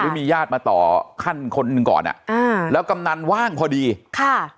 มีญาติมาต่อขั้นคนหนึ่งก่อนอ่ะอ่าแล้วกำนันว่างพอดีค่ะ